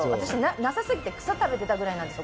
なさすぎて草食べてたくらいなんですよ。